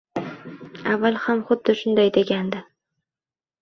Avval ham xuddi shunday degandi